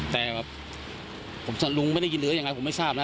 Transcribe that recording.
แต่แบบลุงไม่ได้ยินหรือยังไงผมไม่ทราบนะ